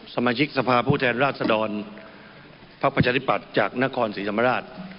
สมาชิกสภาพผู้แทนราชดรภักดิ์ประชาธิปัตย์จากนครศรีธรรมราช